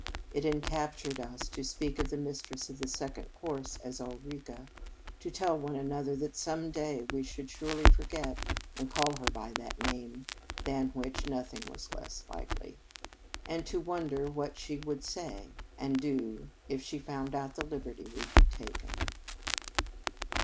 It enraptured us to speak of the mistress of the Second Cours as "Ulrica," to tell one another that some day we should surely forget, and call her by that name (than which nothing was less likely), and to wonder what she would say and do if she found out the liberty we had taken.